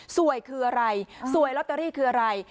สวยคืออะไรสวยลอตเตอรี่คืออะไร